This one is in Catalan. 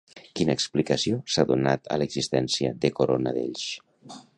Quina explicació s'ha donat a l'existència de Corona d'Elx?